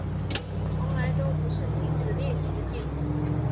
从来都不是停止练习的借口